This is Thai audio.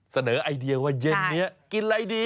ไอเดียว่าเย็นนี้กินอะไรดี